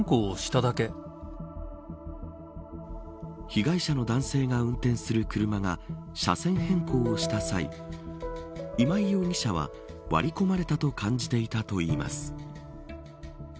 被害者の男性が運転する車が車線変更をした際今井容疑者は割り込まれたと感じていたといいます。